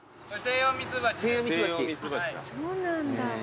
そうなんだ。